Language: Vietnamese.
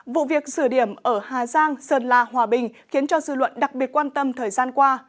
vụ việc sửa điểm ở hà giang sơn la hòa bình khiến cho dư luận đặc biệt quan tâm thời gian qua